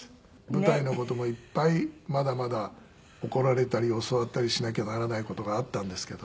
舞台の事もいっぱいまだまだ怒られたり教わったりしなきゃならない事があったんですけど。